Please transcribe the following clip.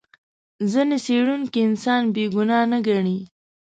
ځینې څېړونکي انسان بې ګناه نه ګڼي.